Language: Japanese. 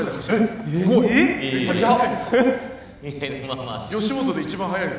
すごい。